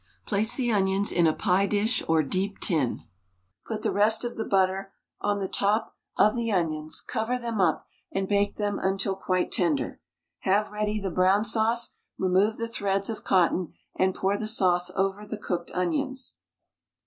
Place the onions in a pie dish or deep tin, put the rest of the butter on the top of the onions, cover them up, and bake them until quite tender. Have ready the brown sauce, remove the threads of cotton, and pour the sauce over the cooked onions.